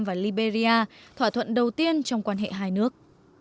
việt nam và liberia thỏa thuận đầu tiên trong quan hệ hai nước